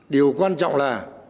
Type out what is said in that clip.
điều quan trọng là